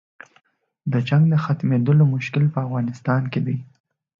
د جنګ د ختمېدلو مشکل په افغانستان کې دی.